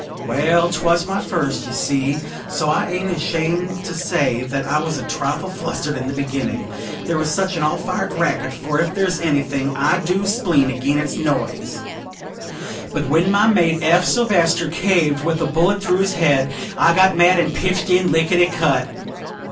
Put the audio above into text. "Well, 'twas my fust, you see, so I aint ashamed to say I was a trifle flustered in the beginnin', there was such an allfired racket; for ef there's anything I do spleen agin, it's noise. But when my mate, Eph Sylvester, caved, with a bullet through his head, I got mad, and pitched in, licketty cut.